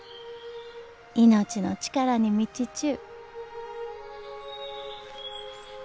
命の力に満ちちゅう。